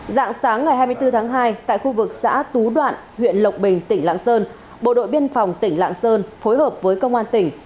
dạng sáng ngày hai mươi bốn tháng hai tại khu vực xã tú đoạn huyện lộc bình tỉnh lạng sơn bộ đội biên phòng tỉnh lạng sơn phối hợp với công an tỉnh